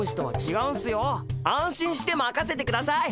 安心してまかせてください。